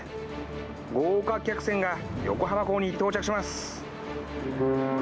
豪華客船が横浜港に到着します。